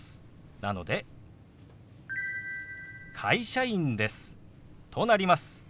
なので「会社員です」となります。